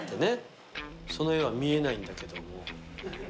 その絵は見えないんだけど。